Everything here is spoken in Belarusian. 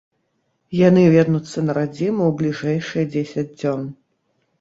Яны вернуцца на радзіму ў бліжэйшыя дзесяць дзён.